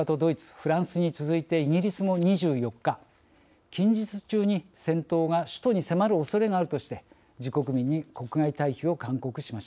フランスに続いてイギリスも２４日近日中に戦闘が首都に迫るおそれがあるとして自国民に国外退避を勧告しました。